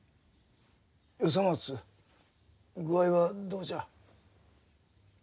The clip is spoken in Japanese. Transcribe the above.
与三松具合はどうじゃ？